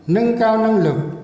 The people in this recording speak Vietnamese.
nâng cao năng lực